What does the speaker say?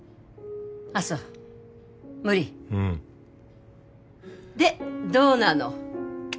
あっそ無理うんでどうなの？